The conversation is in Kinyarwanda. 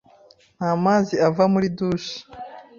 Nta mazi ava muri douche.